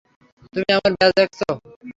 তুমি আমার ব্যাজ দেখেছো।